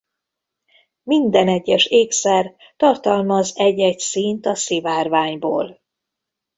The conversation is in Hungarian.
Minden egyes ékszer tartalmaz egy-egy színt a szivárványból.